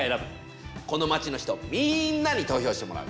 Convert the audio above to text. この町の人みんなに投票してもらう。